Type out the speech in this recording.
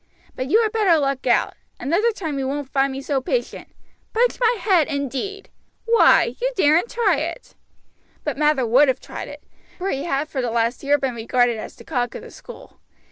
But you had better look out; another time you won't find me so patient. Punch my head, indeed! Why, you daren't try it." But Mather would have tried it, for he had for the last year been regarded as the cock of the school.